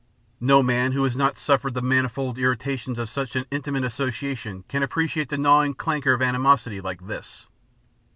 No man who has not suffered the manifold irritations of such an intimate association can appreciate the gnawing canker of animosity like this.